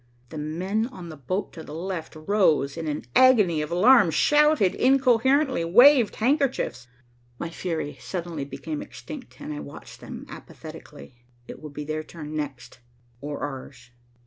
The men on the boat to the left rose in an agony of alarm, shouted incoherently, waved handkerchiefs. My fury suddenly became extinct, and I watched them apathetically. It would be their turn next, or ours.